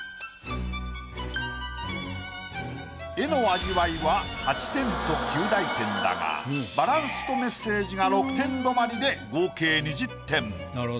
絵の味わいは８点と及第点だがバランスとメッセージが６点止まりで合計２０点。